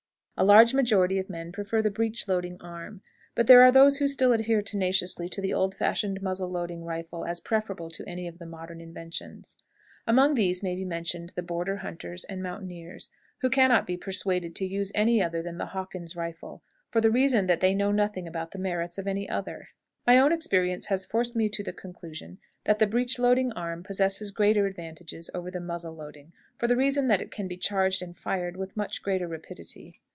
A large majority of men prefer the breech loading arm, but there are those who still adhere tenaciously to the old fashioned muzzle loading rifle as preferable to any of the modern inventions. Among these may be mentioned the border hunters and mountaineers, who can not be persuaded to use any other than the Hawkins rifle, for the reason that they know nothing about the merits of any others. My own experience has forced me to the conclusion that the breech loading arm possesses great advantages over the muzzle loading, for the reason that it can be charged and fired with much greater rapidity.